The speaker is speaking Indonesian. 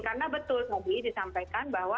karena betul tadi disampaikan bahwa